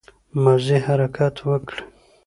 مازې حرکت وکړٸ